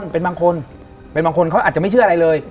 เป็นบางคนเขาอาจจะไม่เชื่ออะไรเลย